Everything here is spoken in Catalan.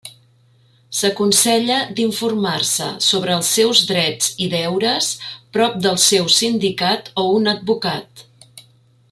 S'aconsella d'informar-se sobre els seus drets i deures prop del seu sindicat o un advocat.